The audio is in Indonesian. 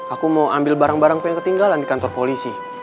aku mau ambil barang barang pengen ketinggalan di kantor polisi